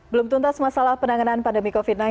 belum tuntas masalah penanganan pandemi covid sembilan belas